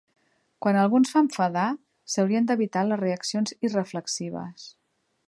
Quan algú ens fa enfadar, s'haurien d'evitar les reaccions irreflexives.